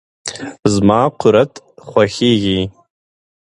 زما قورت خوشیزی.